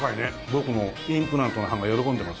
僕のインプラントの歯が喜んでますよ。